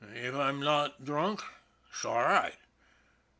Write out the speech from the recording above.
If I'm not drunk s'all right.